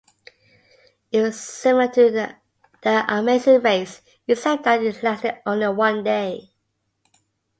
It was similar to "The Amazing Race", except that it lasted only one day.